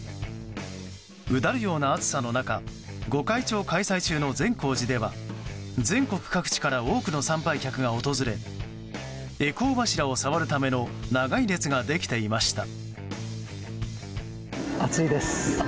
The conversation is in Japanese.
うだるような暑さの中御開帳開催中の善光寺では全国各地から多くの参拝客が訪れ回向柱を触るための長い列ができていました。